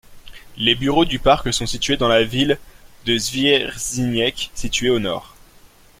Les bureaux du parc sont situés dans la ville de Zwierzyniec, située au Nord.